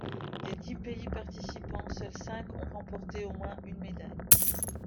Des dix pays participants, seuls cinq ont remporté au moins une médaille.